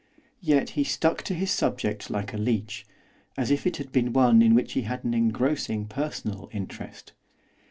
Yet he stuck to his subject like a leech, as if it had been one in which he had an engrossing personal interest.